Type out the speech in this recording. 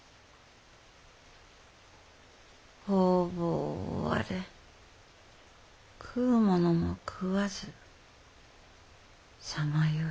方々を追われ食うものも食わずさまよい。